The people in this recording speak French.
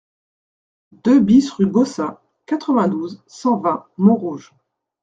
deux BIS rue Gossin, quatre-vingt-douze, cent vingt, Montrouge